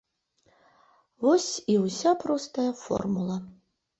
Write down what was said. Вось і ўся простая формула.